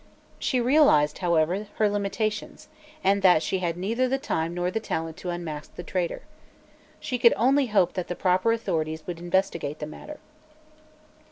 She realized, however, her limitations, and that she had neither the time nor the talent to unmask the traitor. She could only hope that the proper authorities would investigate the matter.